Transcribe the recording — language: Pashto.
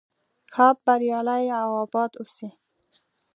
ښاد بریالي او اباد اوسئ.